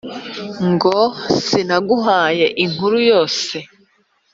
ngo sinaguhaye inkuru yose